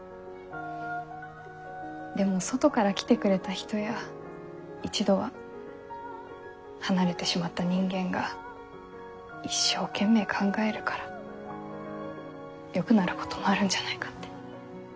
でも外から来てくれた人や一度は離れてしまった人間が一生懸命考えるからよくなることもあるんじゃないかって。